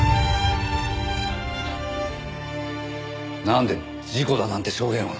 なんで事故だなんて証言を。